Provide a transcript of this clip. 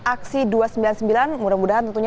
aksi dua ratus sembilan puluh sembilan mudah mudahan tentunya